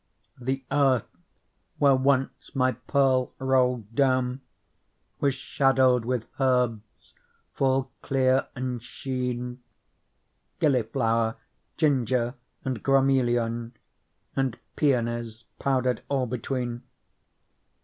The earth where once my Pearl rolled down Was shadowed with herbs full clear and sheen, Gillyflower, ginger and gromelion,^ And peonies powdered all between.